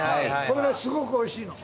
これすごくおいしいの。